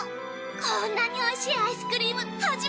こんなにおいしいアイスクリーム初めてよ。